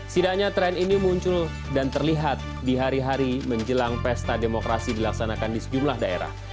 sidanya tren ini muncul dan terlihat di hari hari menjelang pesta demokrasi dilaksanakan di sejumlah daerah